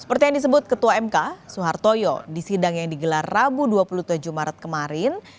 seperti yang disebut ketua mk soehartoyo di sidang yang digelar rabu dua puluh tujuh maret kemarin